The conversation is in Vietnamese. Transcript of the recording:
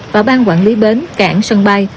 và ban quản lý bến cảng sân bay